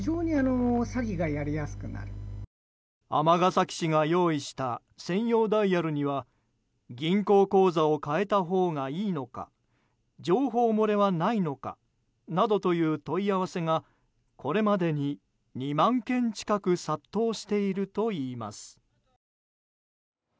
尼崎市が用意した専用ダイヤルには銀行口座を変えたほうがいいのか情報漏れはないのかなどという問い合わせがこれまでに２万件近く殺到しているといいます。